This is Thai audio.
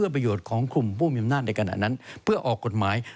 ประโยชน์ของคุมผู้มยำนานในการณานั้นเพื่อเอาหกฏหมาย